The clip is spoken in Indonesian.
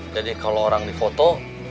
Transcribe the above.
jadi kalau orang di foto